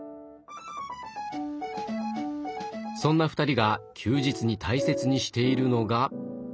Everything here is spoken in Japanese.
そんな２人が休日に大切にしているのが。